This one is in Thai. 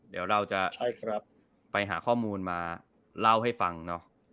เดี๋ยวเราจะไปหาข้อมูลมาเล่าให้ฟังเนอะ